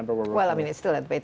maksud saya masih di fase beta